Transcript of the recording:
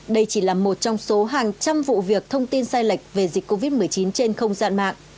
đây chỉ là một trong số hàng trăm vụ việc thông tin sai lệch về dịch covid một mươi chín trên không gian mạng